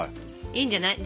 いいんじゃない。